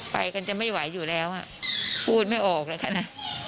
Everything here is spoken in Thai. ไปกันจะไม่ไหวอยู่แล้วพูดไม่ออกเลยค่ะนะ